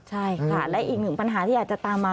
ใช่ค่ะและอีกหนึ่งปัญหาที่อาจจะตามมา